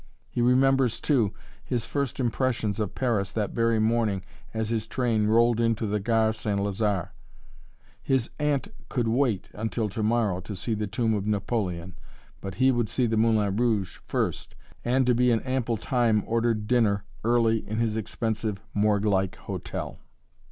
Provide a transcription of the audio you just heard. He remembers, too, his first impressions of Paris that very morning as his train rolled into the Gare St. Lazare. His aunt could wait until to morrow to see the tomb of Napoleon, but he would see the "Moulin Rouge" first, and to be in ample time ordered dinner early in his expensive, morgue like hotel.